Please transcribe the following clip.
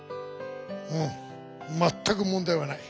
うんまったく問題はない。